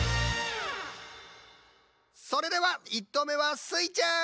それでは１とうめはスイちゃん！